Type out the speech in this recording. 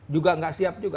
juga nggak siap juga